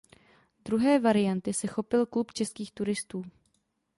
Druhé varianty se chopil Klub českých turistů.